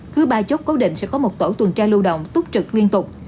cứ ba chốt cố định sẽ có một tổ tuần tra lưu động túc trực liên tục